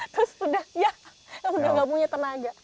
terus sudah ya sudah nggak punya tenaga